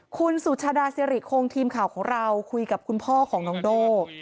คุณสุชาดาสิริคงทีมข่าวของเราคุยกับคุณพ่อของน้องโด่